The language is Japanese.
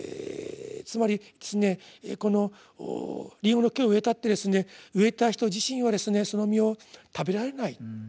つまりこのリンゴの木を植えたって植えた人自身はその実を食べられない。